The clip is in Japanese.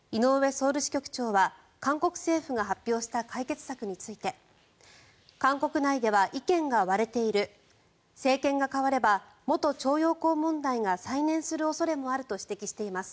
ソウル支局長は韓国政府が発表した解決策について韓国内では意見が割れている政権が代われば、元徴用工問題が再燃する恐れもあると指摘しています。